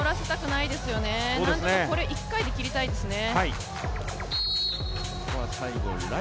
なんとか、これ一回で切りたいですね。